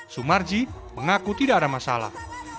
sumarji mengaku tidak ada masalah